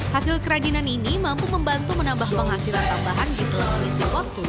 hasil kerajinan ini mampu membantu menambah penghasilan tambahan di seluruh kualitas